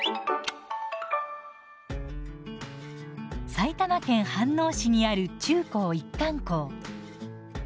埼玉県飯能市にある中高一貫校。